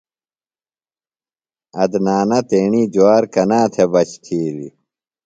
عدنانہ تیݨی جُوار کنا تھےۡ بچ تِھیلیۡ؟